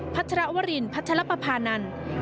พระเจราวรินทร์พระเจราปภานันทร์